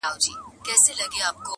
هر سيلاب يې بتشکن دی -